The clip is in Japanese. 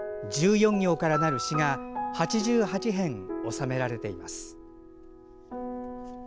１４行からなる詩が、８８編収められています。